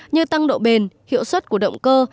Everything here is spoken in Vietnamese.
như tăng độ bền hiệu suất của động cơ